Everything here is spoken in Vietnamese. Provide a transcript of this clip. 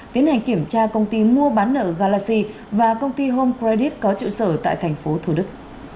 tiến hành kiểm tra công ty mua bán nợ galaxy và công ty home credit có trụ sở tại thành phố thủ đức